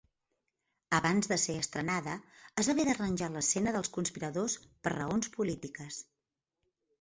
Abans de ser estrenada, es va haver d'arranjar l'escena dels conspiradors per raons polítiques.